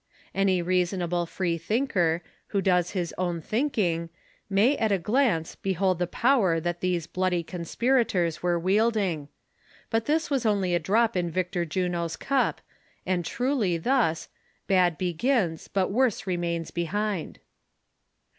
Any reasonable free thinker, who does his own flunk ing, may at a glance behold the poAver that these bloody conspirators were waelding ; but this was only a droj) in Victor Juno's cup, and truly thus, " Bad begins, but worse remains behind."